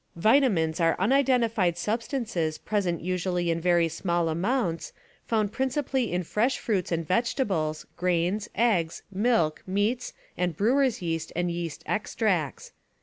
Vitamins are unidentified substances present usually in very small amounts, found principally in fresh fruits and vegetables, grains, eggs, milk, meats and brewers' yeast and yeast extracts.